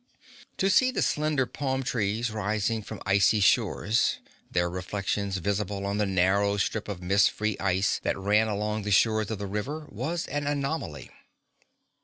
To see the slender palm trees rising from icy shores, their reflections visible on the narrow strip of mist free ice that ran along the shores of the river was an anomaly.